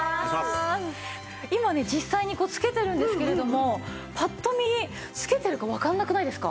今ね実際に着けてるんですけれどもパッと見着けてるかわからなくないですか？